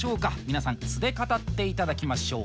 皆さん素で語って頂きましょう。